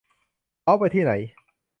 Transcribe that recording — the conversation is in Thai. เค้าไปที่ไหน